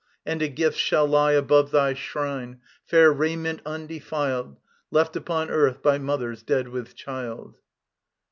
And a gift shall lie Above thy shrine, fair raiment undefiled Left upon earth by mothers dead with child.